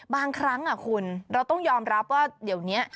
บางครั้งคุณเราต้องยอมรับว่าเดี๋ยวนี้